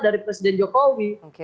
dari presiden jokowi